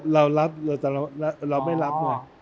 เรารับแต่เราไม่รับ